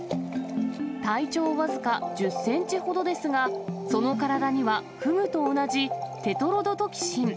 体長僅か１０センチほどですが、その体には、フグと同じテトロドトキシン。